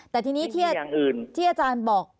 แต่ที่นี้ที่อาจารย์บอก